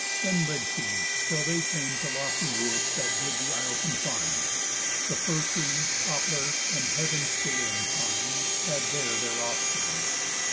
Then led she, till they came To lofty woods that did the isle confine. The fir tree, poplar, and heav'n scaling pine, Had there their offspring.